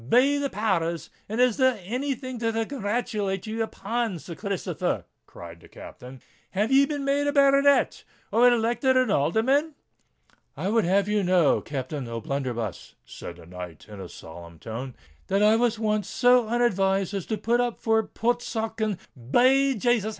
Be the power rs! and is there any thing to congratulate ye upon, Sir Christopher?" cried the Captain. "Have ye been made a baronet—or elected an alderman?" "I would have you know, Captain O'Blunderbuss," said the knight, in a solemn tone, "that I was once so unadvised as to put up for Portsoken——" Be Jasus!